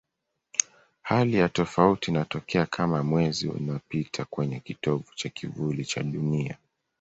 Hali ya tofauti inatokea kama Mwezi unapita kwenye kitovu cha kivuli cha Dunia.